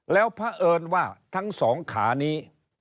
แล้วพระเอิญว่าทั้งสองขานี้